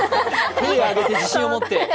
手を挙げて、自信を持って。